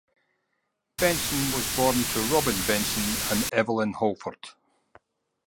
Benson was born to Robin Benson and Evelyn Holford.